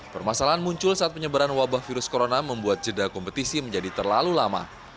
permasalahan muncul saat penyebaran wabah virus corona membuat jeda kompetisi menjadi terlalu lama